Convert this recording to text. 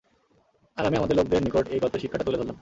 আর আমি আমাদের লোকদের নিকট এই গল্পের শিক্ষাটা তুলে ধরলাম।